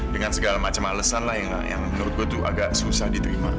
dengan segala macam alasan lah yang menurut gue tuh agak susah diterima